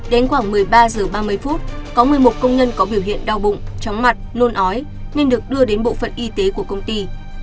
đến khoảng một mươi ba h ba mươi có một mươi một công nhân có biểu hiện đau bụng chóng mặt nôn ói nên được đưa đến bộ phận y tế của công ty